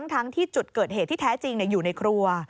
ทั้งที่จุดเกิดเหตุที่แท้จริงอยู่ในครัว